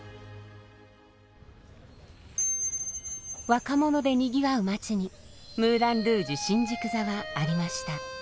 若者でにぎわう街にムーラン・ルージュ新宿座はありました。